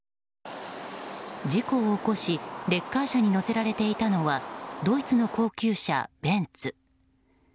事故を起こしレッカー車に載せられていたのはドイツの高級車、ベンツ。